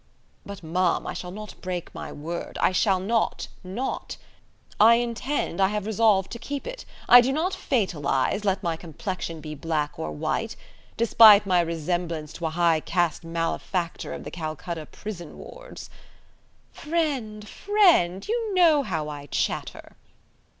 "But, ma'am, I shall not break my word; I shall not, not; I intend, I have resolved to keep it. I do not fatalize, let my complexion be black or white. Despite my resemblance to a high caste malefactor of the Calcutta prison wards ..." "Friend! friend! you know how I chatter."